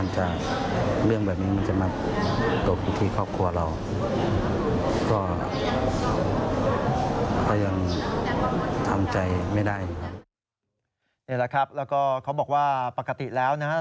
แล้วก็เขาบอกว่าปกติแล้วนะครับ